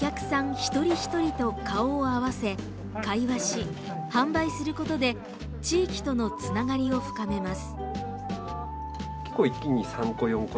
一人一人と顔を合わせ、会話し、販売することで地域とのつながりを深めます。